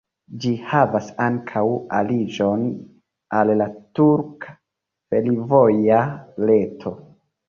Ĝi havas ankaŭ aliĝon al la turka fervoja reto.